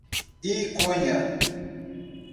Iconha